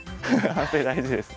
反省大事ですね。